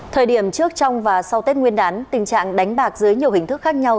thời điểm trước trong và sau tết nguyên đán tình trạng đánh bạc dưới nhiều hình thức khác nhau